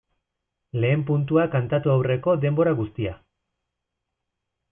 Lehen puntua kantatu aurreko denbora guztia.